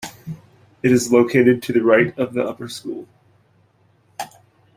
It is located to the right of the Upper School.